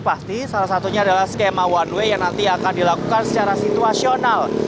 pasti salah satunya adalah skema one way yang nanti akan dilakukan secara situasional